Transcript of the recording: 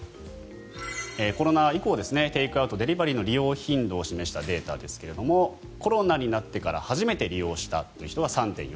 コロナ以降テイクアウト、デリバリーの利用頻度を示したデータですがコロナになってから初めて利用したという人は３．４％。